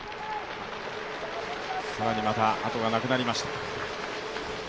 更にまたあとがなくなりました。